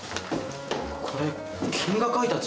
これ君が書いた字？